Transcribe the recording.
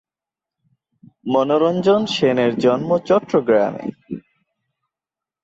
মনোরঞ্জন সেনের জন্ম চট্টগ্রামে।